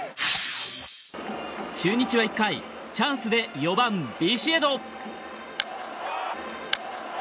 中日は１回チャンスで４番、ビシエド。